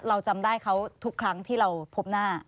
เราจำได้เขาทุกครั้งที่เราพบหน้า